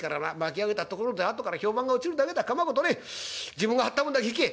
自分が張った分だけ引け」。